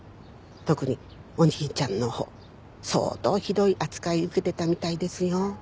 特にお兄ちゃんのほう相当ひどい扱い受けてたみたいですよ。